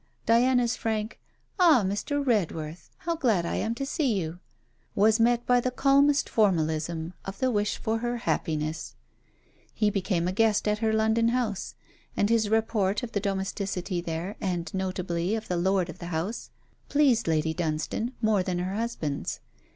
Diana's frank: 'Ah, Mr. Redworth, how glad I am to see you!' was met by the calmest formalism of the wish for her happiness. He became a guest at her London house, and his report of the domesticity there, and notably of the lord of the house, pleased Lady Dunstane more than her husband's.